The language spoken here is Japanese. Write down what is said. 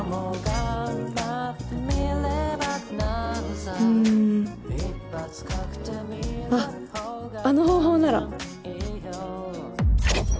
うんあっあの方法なら！